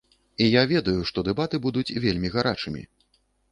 І я ведаю, што дэбаты будуць вельмі гарачымі.